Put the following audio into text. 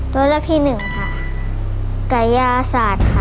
ตัวเลือกที่หนึ่งค่ะกะยาศาสตร์ค่ะ